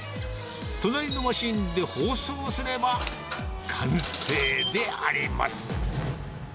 隣のマシンで包装すれば完成であります。